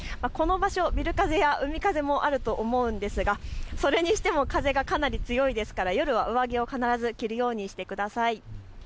この場所、ビル風や海風もあると思うんですがそれにしても風がかなり強いですから夜は必ず上着を着るようにしてください。